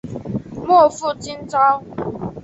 莫负今朝！